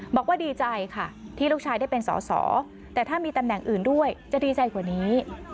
บอกว่าดีใจค่ะที่ลูกชายได้เป็นสอสอแต่ถ้ามีตำแหน่งอื่นด้วยจะดีใจกว่านี้